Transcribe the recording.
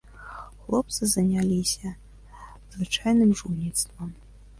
Хлопцы заняліся звычайным жульніцтвам.